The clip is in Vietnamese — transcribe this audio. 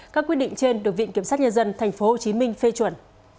các quyết định trên được viện kiểm sát nhân dân tp hcm phê chuẩn